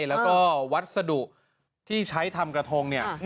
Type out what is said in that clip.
แล้วก็วัสดุที่ใช้ทำกระทงเนี่ย